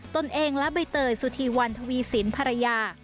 ตนเองและใบเตยสุธีวันทวีสินภรรยา